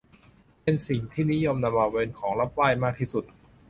เป็นสิ่งที่นิยมนำมาเป็นของรับไหว้มากที่สุด